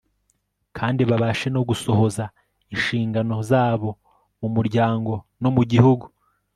kandi babashe no gusohoza inshingano zabo mu muryango no mu gihugu